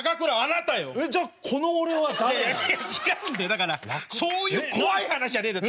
だからそういう怖い話じゃねえんだ。